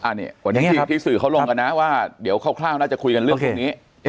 อันนี้ที่สื่อเขาลงกันนะว่าเดี๋ยวคร่าวน่าจะคุยกันเรื่องตรงนี้